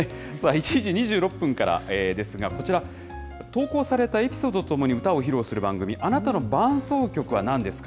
１時２６分からですが、こちら、投稿されたエピソードとともに歌を披露する番組、あなたの伴走曲は何ですか？